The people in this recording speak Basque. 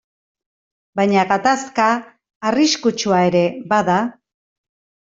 Baina gatazka arriskutsua ere bada.